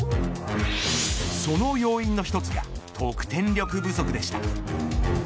その要因の一つが得点力不足でした。